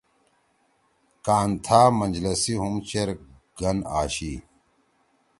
کان تھا منجلسی ہُم چیر گن آشی